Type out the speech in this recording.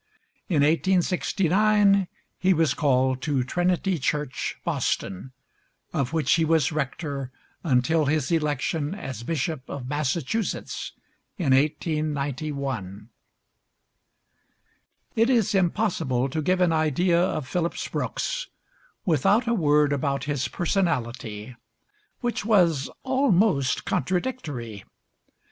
In 1869 he was called to Trinity Church, Boston, of which he was rector until his election as bishop of Massachusetts in 1891. It is impossible to give an idea of Phillips Brooks without a word about his personality, which was almost contradictory.